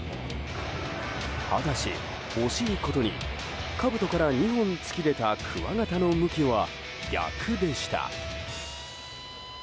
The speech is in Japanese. ただし、惜しいことにかぶとから２本突き出たくわ形の向きは逆でした。